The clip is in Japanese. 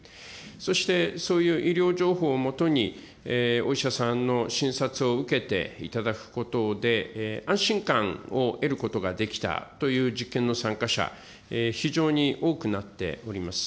そしてそういう医療情報を基に、お医者さんの診察を受けていただくことで、安心感を得ることができたという実験の参加者、非常に多くなっております。